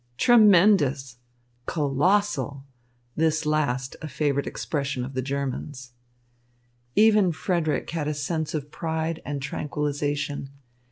"Tremendous!" "Colossal!" this last a favourite expression of the Germans. Even Frederick had a sense of pride and tranquillisation.